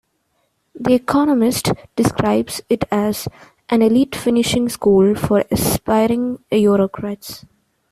"The Economist" describes it as "an elite finishing school for aspiring Eurocrats.